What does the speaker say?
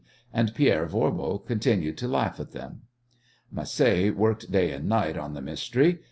And Pierre Voirbo continued to laugh at them! Macé worked day and night on the mystery.